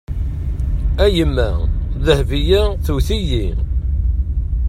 A yemma, Dehbeya tewwet-iyi.